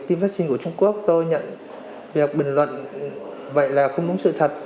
tiêm vaccine của trung quốc tôi nhận việc bình luận vậy là không đúng sự thật